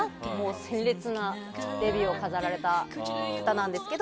鮮烈なデビューを飾られた方なんですけど。